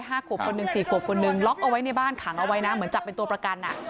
ห้าขวบคนหนึ่งสี่ขวบคนหนึ่งล็อกเอาไว้ในบ้านขังเอาไว้นะเหมือนจับเป็นตัวประกันอ่ะ